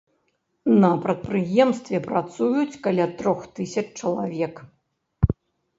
На прадпрыемстве працуюць каля трох тысяч чалавек.